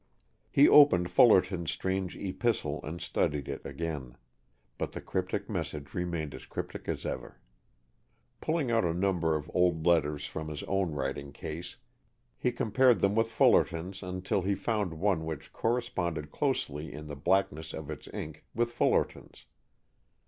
He opened Fullerton's strange epistle and studied it again, but the cryptic message remained as cryptic as ever. Pulling out a number of old letters from his own writing case, he compared them with Fullerton's until he found one which corresponded closely, in the blackness of its ink, with Fullerton's.